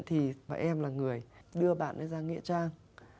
thì em là người đưa bạn ấy ra nghịa trang